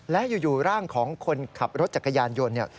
และอยู่ร่างของคนขับรถจักรยานยนต์เนี่ย